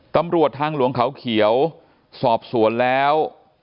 ตำรวจทางหลวงเขาเขียวสอบสวนแล้ว